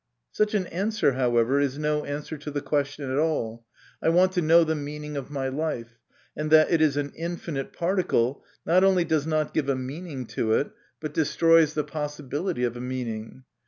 Such an answer, however, is no answer to the question at all. I want to know the meaning of my life ; and that it is an infinite particle not only does not give a meaning to it, but destroys the possibility of a meaning.